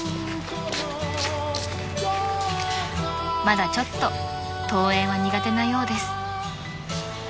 ［まだちょっと登園は苦手なようです］